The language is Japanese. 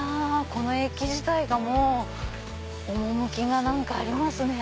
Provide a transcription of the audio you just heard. この駅自体が趣がありますね。